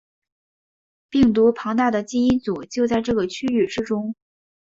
病毒庞大的基因组就在这个区域之中。